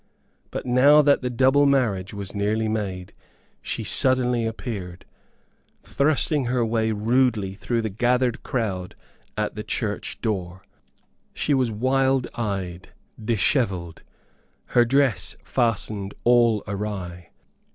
But now that the double marriage was nearly made she suddenly appeared, thrusting her way rudely through the gathered crowd at the church door. She was wild eyed, dishevelled, her dress fastened all awry.